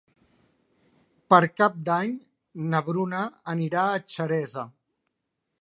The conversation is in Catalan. Per Cap d'Any na Bruna anirà a Xeresa.